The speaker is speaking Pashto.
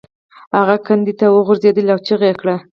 هغه کندې ته وغورځید او چیغې یې کړې.